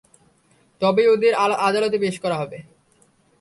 তবেই ওদের আদালতে পেশ করবে।